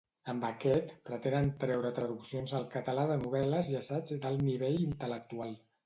Amb aquest, pretenen treure traduccions al català de novel·les i assaigs d'alt nivell intel·lectual.